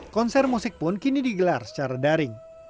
konser musik pun kini digelar secara daring